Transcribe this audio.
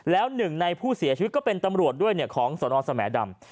แล้วหนึ่งในผู้เสียชีวิตก็เป็นตำรวจด้วยของสนสแหมดำ